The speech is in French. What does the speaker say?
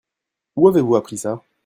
Où avez-vous appris ça ?